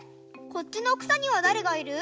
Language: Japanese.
こっちのくさにはだれがいる？